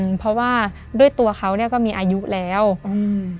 เพราะว่าด้วยตัวเขาเนี้ยก็มีอายุแล้วอืม